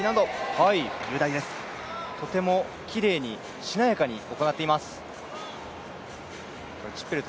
とてもきれいに、しなやかに行っています。